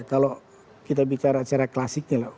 kalau kita bicara secara klasiknya